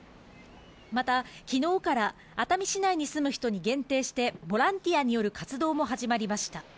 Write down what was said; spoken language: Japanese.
また、きのうから熱海市内に住む人に限定して、ボランティアによる活動も始まりました。